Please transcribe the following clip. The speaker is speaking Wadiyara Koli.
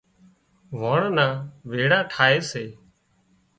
واڻ نا ويڙا ٺاهي سي